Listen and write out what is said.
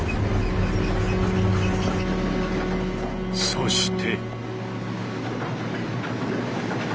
そして。